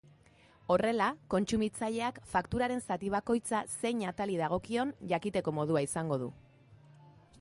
Horrela, kontsumitazileak fakturaren zati bakoitza zein atali dagokion jakiteko modua izango du.